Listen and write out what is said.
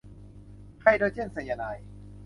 ไฮโดรเจนไซยาไนด์